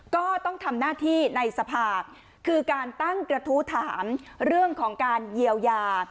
ก็ต้องทำหน้าที่ในสภาคือการตั้งกระทู้ถามเรื่องของการเยียวยา